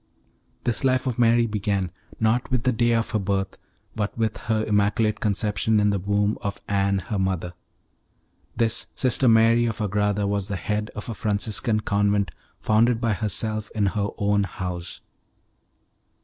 This life of Mary began, not with the day of her birth, but with her immaculate conception in the womb of Anne, her mother. This Sister Mary of Agrada was the head of a Franciscan convent founded by herself in her own house.